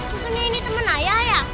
bukannya ini temen ayah ya